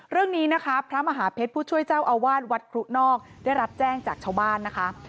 เรื่องนี้นะคะพระมหาเพชรผู้ช่วยเจ้าอาวาสวัดครุนอกได้รับแจ้งจากชาวบ้านนะคะ